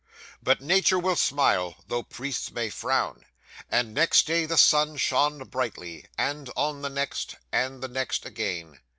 'But nature will smile though priests may frown, and next day the sun shone brightly, and on the next, and the next again.